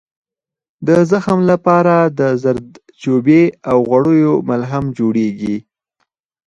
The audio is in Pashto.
د زخم لپاره د زردچوبې او غوړیو ملهم جوړ کړئ